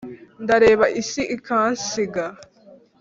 ndareba isi ikansiga